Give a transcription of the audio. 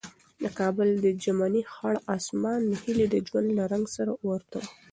د کابل ژمنی خړ اسمان د هیلې د ژوند له رنګ سره ورته و.